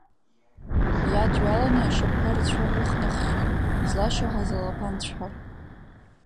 Иадҩаланы, ашьапқәа рцәа рыхнаххьан излашьаҳаз алаԥан цәҳар.